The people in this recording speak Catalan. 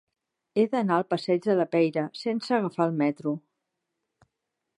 He d'anar al passeig de la Peira sense agafar el metro.